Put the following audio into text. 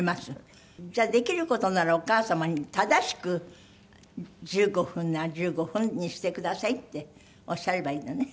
じゃあできる事ならお母様に正しく１５分なら１５分にしてくださいっておっしゃればいいのね？